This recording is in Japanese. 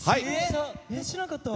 知らんかった。